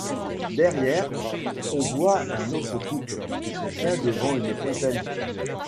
Derrière, on voit un autre couple, qui se tient devant une fontaine.